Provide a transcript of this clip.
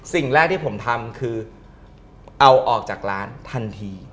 สิ่งแรกที่ผมทำคือเอาออกจากร้านทันที